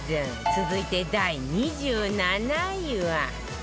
続いて第２７位は